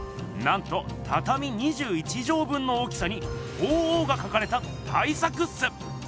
なんとたたみ２１畳分の大きさに鳳凰がかかれた大作っす！